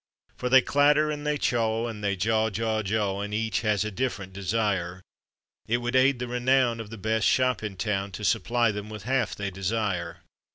For they clatter and they chaw and they jaw, jaw, jaw, And each has a different desire; It would aid the renown of the best shop in town To supply them with half they desire.